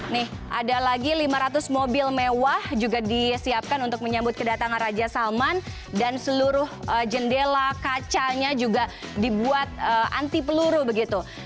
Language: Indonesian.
nih ada lagi lima ratus mobil mewah juga disiapkan untuk menyambut kedatangan raja salman dan seluruh jendela kacanya juga dibuat anti peluru begitu